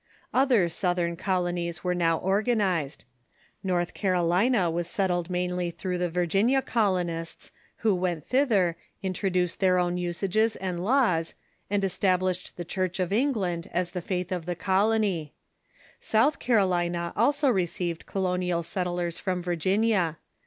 Other southern colonies were now organized. North Caro lina was settled mainly through the Virginia colonists, who went thither, introduced their own usages and laws, Southern ^ established the Church of England as the faith of Colonies ^ the colony. South Carolina also received colonial set tlers from Virginia.